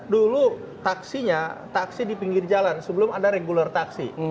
dulu taksinya taksi di pinggir jalan sebelum ada regular taksi